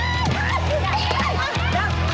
เออปริศนัก